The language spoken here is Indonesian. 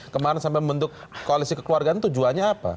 kemarin sampai membentuk koalisi kekeluargaan tujuannya apa